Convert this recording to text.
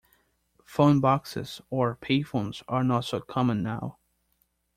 Phone boxes or payphones are not so common now